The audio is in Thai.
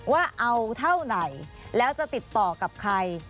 ว่าเอาเท่าไหนแล้วจะติดต่อกับใคร